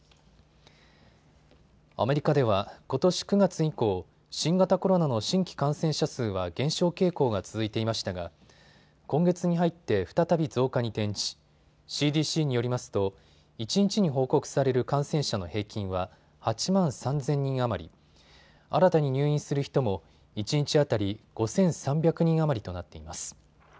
アメリカではことし９月以降、新型コロナの新規感染者数は減少傾向が続いていましたが今月に入って再び増加に転じ、ＣＤＣによりますと一日に報告される感染者の平均は８万３０００人余り、新たに入院する人も一日当たり５３００人余りとなっています。